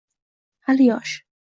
Hali yosh…